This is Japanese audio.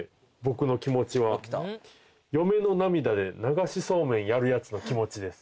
嫁の涙で流しそうめんやるやつの気持ちです。